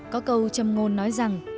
có câu châm ngôn nói rằng